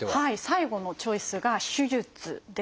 最後のチョイスが「手術」です。